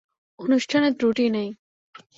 অনুষ্ঠানের ত্রুটি নাই।